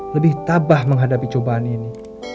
lebih tabah menghadapi cobaan ini